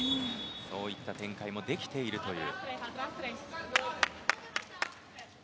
そういった展開もできているという。